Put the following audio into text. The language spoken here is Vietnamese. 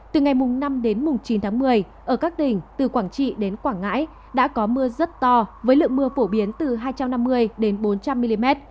từ ngày năm đến chín tháng một mươi ở các tỉnh từ quảng trị đến quảng ngãi đã có mưa rất to với lượng mưa phổ biến từ hai trăm năm mươi đến bốn trăm linh mm